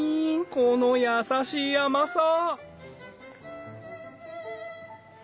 この優しい甘さ！